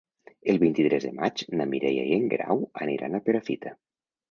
El vint-i-tres de maig na Mireia i en Guerau aniran a Perafita.